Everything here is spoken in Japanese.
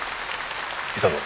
いたぞ。